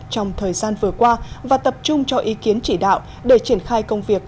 trong thời gian vừa qua và tập trung cho ý kiến chỉ đạo để triển khai công việc